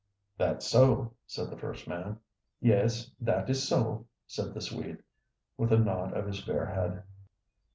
"That's so," said the first man. "Yes, that is so," said the Swede, with a nod of his fair head.